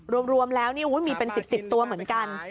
รวมแล้วนี่มีเป็นสิบตัวเหมือนกัน